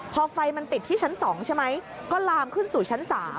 พอไฟมันติดที่ชั้น๒ใช่ไหมก็ลามขึ้นสู่ชั้น๓